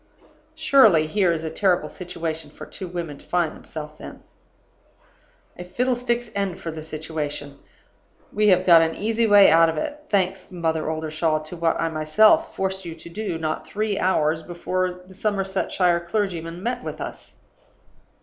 "Surely, here is a terrible situation for two women to find themselves in? A fiddlestick's end for the situation! We have got an easy way out of it thanks, Mother Oldershaw, to what I myself forced you to do, not three hours before the Somersetshire clergyman met with us.